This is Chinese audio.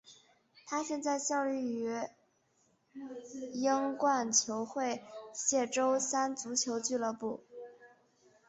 他现在效力于英冠球会谢周三足球俱乐部。